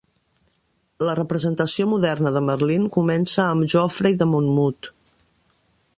La representació moderna de Merlin comença amb Geoffrey de Monmouth.